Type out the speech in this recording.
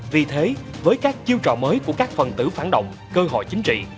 vì thế với các chiêu trò mới của các phần tử phản động cơ hội chính trị